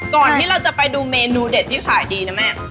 ก่อนที่เราจะไปดูเมนูเด็ดที่ขายดีนะแม่